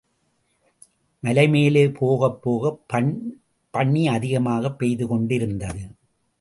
மலைமேலே போகப் போகப் பணி அதிகமாகப் பெய்து கொண்டிருந்தது.